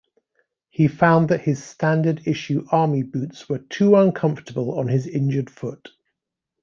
He found that his standard-issue army boots were too uncomfortable on his injured foot.